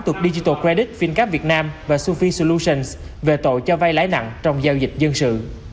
tục digital credit fincap việt nam và sofice solutions về tội cho vay lãi nặng trong giao dịch dân sự